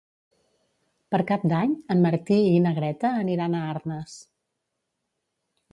Per Cap d'Any en Martí i na Greta aniran a Arnes.